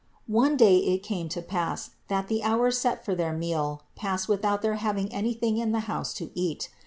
One day it came to pass that the hour set for their meal passed without their having anything in the house to eat.